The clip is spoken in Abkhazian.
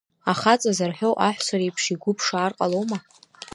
Ахаҵа зарҳәо аҳәса реиԥш игәы ԥшаар ҟалома?